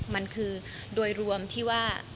มันคือโดยรวมที่ว่า